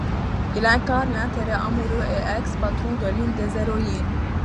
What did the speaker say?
Il incarne l'intérêt amoureux, et ex patron, de l'une des héroïnes.